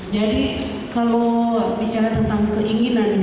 jadi kalau bicara tentang keinginannya untuk berjaya